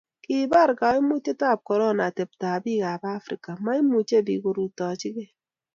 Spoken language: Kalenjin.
kibar kaimutietab korona atebtab biikab Afrika, maimuchi biik korutochigei.